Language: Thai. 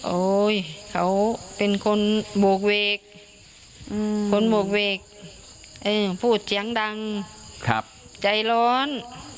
โอ๊ยเขาเป็นคนโบกเวกคนโบกเวกพูดเสียงดังใจร้อน